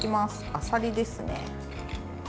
あさりですね。